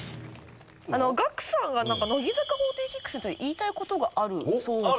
ガクさんが乃木坂４６に言いたい事があるそうで。